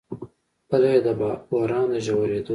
بله یې د بحران د ژورېدو